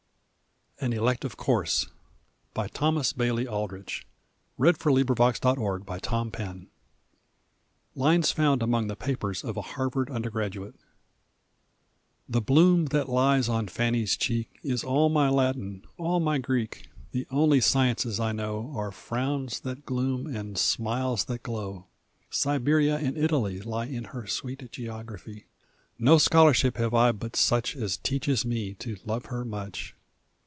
t the door, With Not at Home to any one Excepting Alfred Tennyson. AN ELECTIVE COURSE LINES FOUND AMONG THE PAPERS OF A HARVARD UNDERGRADUATE The bloom that lies on Fanny's cheek Is all my Latin, all my Greek; The only sciences I know Are frowns that gloom and smiles that glow; Siberia and Italy Lie in her sweet geography; No scholarship have I but such As teaches me to love her much.